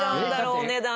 お値段が。